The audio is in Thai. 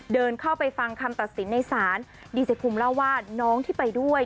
เดินเข้าไปฟังคำตัดสินในศาลดีเซคุมเล่าว่าน้องที่ไปด้วย